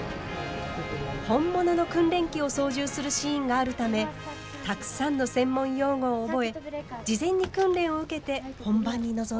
本物の訓練機を操縦するシーンがあるためたくさんの専門用語を覚え事前に訓練を受けて本番に臨んだ福原さん。